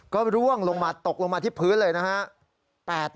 ก็ร่วงลงมาตกลงมาที่พื้นเลยนะฮะ